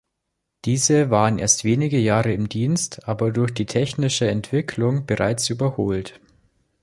Diese waren erst wenige Jahre in Dienst, aber durch die technische Entwicklung bereits überholt.